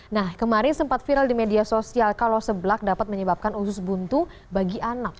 nah kemarin sempat viral di media sosial kalau seblak dapat menyebabkan usus buntu bagi anak